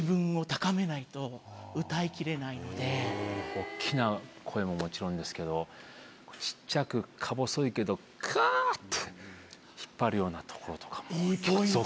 大っきな声ももちろんですけど小っちゃくか細いけどカッて引っ張るようなところとか。